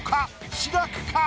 志らくか？